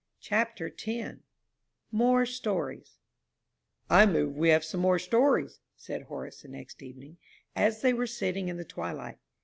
CHAPTER X MORE STORIES "I move we have some more stories," said Horace the next evening, as they were sitting in the twilight.